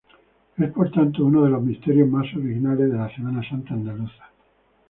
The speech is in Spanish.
Es por tanto uno de los misterios más originales de la Semana Santa andaluza.